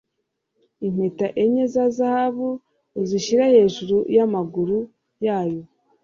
impeta enye za zahabu uzishyire hejuru y'amaguru yayo